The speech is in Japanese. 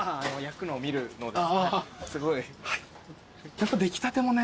やっぱ出来たてもね。